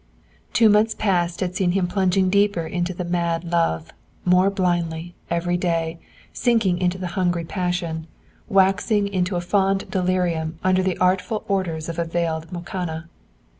Two months past had seen him plunging deeper into the mad love, more blindly, every day, sinking into the hungry passion, waxing into a fond delirium, under the artful orders of a veiled Mokanna.